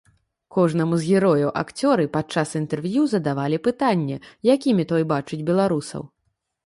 Кожнаму з герояў акцёры падчас інтэрв'ю задавалі пытанне, якімі той бачыць беларусаў.